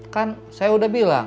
kan saya udah bilang